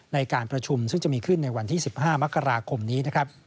ในการประชุมซึ่งจะมีขึ้นในวันที่๑๕มกราคมนี้นะครับ